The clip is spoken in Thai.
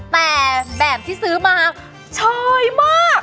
แต่แบบที่ซื้อมาชอยมาก